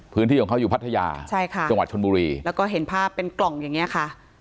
พื้นที่ของเขาอยู่พัทยาใช่ค่ะจังหวัดชนบุรีแล้วก็เห็นภาพเป็นกล่องอย่างเงี้ยค่ะ